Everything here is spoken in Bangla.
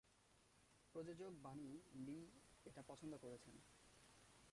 প্রযোজক বানি লি এটা পছন্দ করছেন।